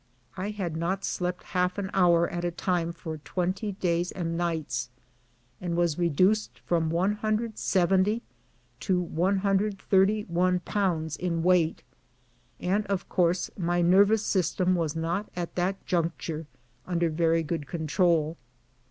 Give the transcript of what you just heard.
I had not slept half an hour at a time for twent}'' days and nights, and was reduced from 170 to 131 pounds in weight, and, of course, my nervous system was not at that juncture under very good control.